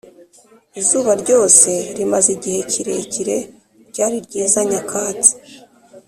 izuba ryose rimaze igihe kirekire, ryari ryiza, nyakatsi